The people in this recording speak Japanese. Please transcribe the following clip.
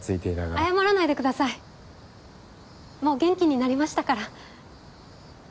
謝らないでくださいもう元気になりましたから。